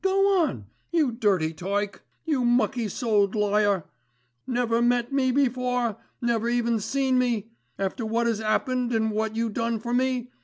Go on. You dirty tyke. You mucky souled liar. Never met me before? Never even seen me. After what 'as 'appened and what you done for me.